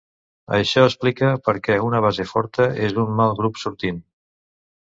Això explica per què una base forta és un mal grup sortint.